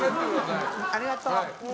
ありがとう。